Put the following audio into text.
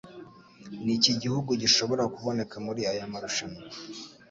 Niki gihugu gishobora kuboneka muri aya marushanwa